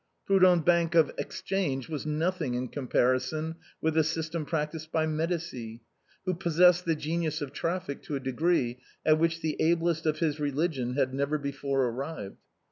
Proudhon's bank of exchange was nothing in comparison with the system practiced by Medicis, who possessed the genius of traffic to a degree at which the ablest of his religion had never before arrived.